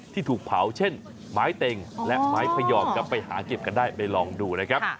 ที่ถูกเผาเช่นไม้เต็งและไม้พยอมจะไปหาเก็บกันได้ไปลองดูนะครับ